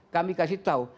kami kasih tahu